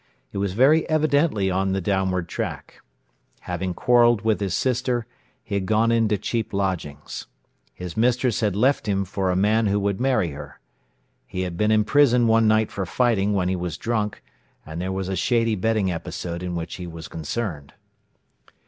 He was very evidently on the downward track. Having quarrelled with his sister, he had gone into cheap lodgings. His mistress had left him for a man who would marry her. He had been in prison one night for fighting when he was drunk, and there was a shady betting episode in which he was concerned.